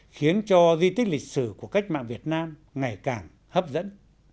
khiến cho di tích lịch sử của cách mạng việt nam ngày càng hấp dẫn